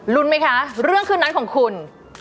ลุ้นมั้ยคะเรื่องคืนนั้นของคุณ